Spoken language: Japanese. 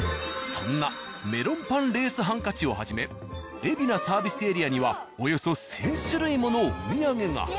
そんなメロンパンレースハンカチをはじめ海老名サービスエリアにはおよそ１０００種類ものお土産が。